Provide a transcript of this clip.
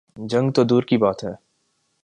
جنگ تو دور کی بات ہے۔